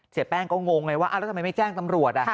แป้งก็งงไงว่าแล้วทำไมไม่แจ้งตำรวจ